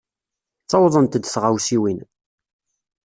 Ttawḍent-d tɣawsiwin.